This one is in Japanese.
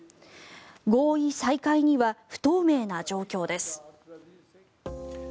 合意再開には不透明な状況です。